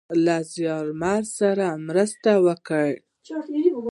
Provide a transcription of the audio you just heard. له زیارمل سره مرسته وکړﺉ .